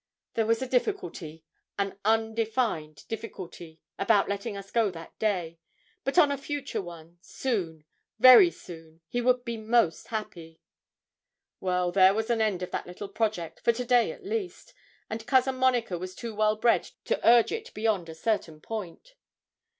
There was a difficulty an undefined difficulty about letting us go that day; but on a future one soon very soon he would be most happy. Well, there was an end of that little project, for to day at least; and Cousin Monica was too well bred to urge it beyond a certain point.